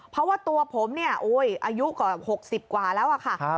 เพราะว่าตัวผมอายุกว่า๖๐กว่าแล้วค่ะ